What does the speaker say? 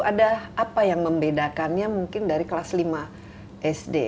ada apa yang membedakannya mungkin dari kelas lima sd